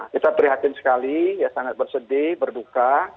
kita perhatikan sekali sangat bersedih berduka